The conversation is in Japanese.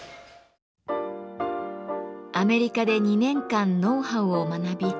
アメリカで２年間ノウハウを学び